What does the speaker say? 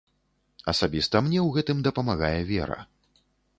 Асабіста мне ў гэтым дапамагае вера.